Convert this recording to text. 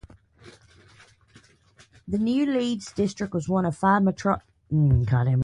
The new Leeds district was one of five metropolitan districts in West Yorkshire.